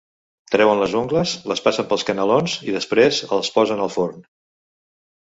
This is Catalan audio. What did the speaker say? Treuen les ungles, les passen pels canalons i després els posen al forn.